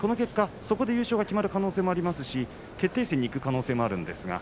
そこで優勝が決まる可能性もありますが決定戦にいく可能性もあります。